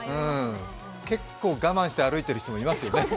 結構我慢して歩いてる人もいますよね。